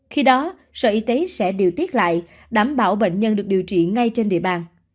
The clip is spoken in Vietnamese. khi đó sở y tế sẽ điều tiết lại đảm bảo bệnh nhân được điều trị ngay trên địa bàn